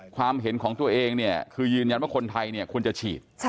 ความเห็นของตัวเองเนี่ยคือยืนยันว่าคนไทยเนี่ยควรจะฉีด